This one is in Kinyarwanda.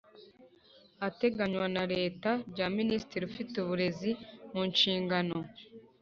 ateganywa mu Iteka rya Minisitiri ufite uburezi munshingano